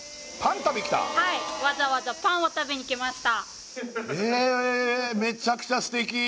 はいわざわざパンを食べに来ましたえっ